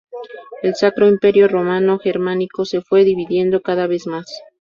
El Sacro Imperio Romano Germánico se fue dividiendo cada vez más.